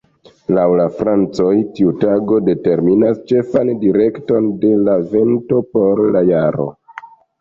Laŭ la francoj tiu tago determinas ĉefan direkton de la vento por la jaro.